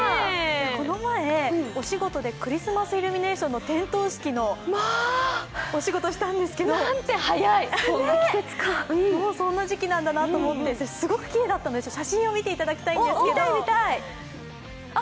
この前、お仕事でクリスマスイルミネーションの点灯式のお仕事したんですけどもうそんな時期かなと思ってすごくきれいだったんです、写真を見ていただきたいんですけど。